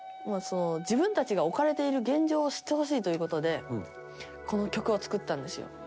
自分たちが置かれている現状を知ってほしいという事でこの曲を作ったんですよ。